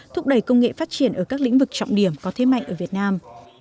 thúc đẩy công nghệ phát triển ở các lĩnh vực trọng điểm có thế mạnh ở việt nam